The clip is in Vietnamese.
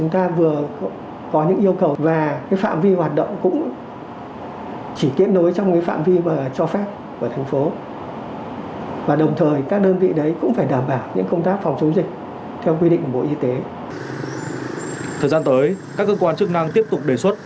thời gian tới các cơ quan chức năng tiếp tục đề xuất